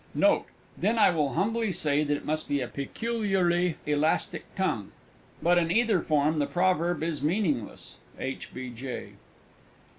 Note. Then I will humbly say that it must be a peculiarly elastic tongue. But in either form the Proverb is meaningless. H. B. J.